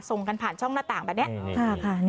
ส่งกันผ่านช่องหน้าต่างแบบนี้